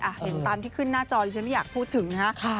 เห็นตามที่ขึ้นหน้าจอที่ฉันไม่อยากพูดถึงนะฮะ